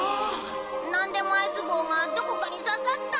なんでもアイス棒がどこかに刺さったんだ。